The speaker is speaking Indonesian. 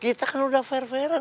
kita kan udah ver veran